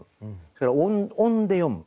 それから音で読む。